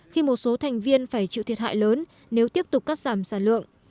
khi một số thành viên phải chịu thiệt hại lớn nếu tiếp tục cắt giảm sản lượng